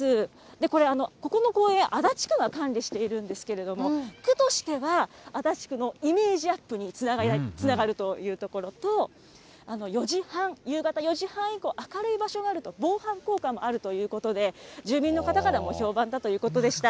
これ、ここの公園、足立区が管理しているんですけれども、区としては足立区のイメージアップにつながるというところと、４時半、夕方４時半以降、明るい場所があると、防犯効果もあるということで、住民の方からも評判だということでした。